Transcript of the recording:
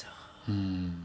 うん。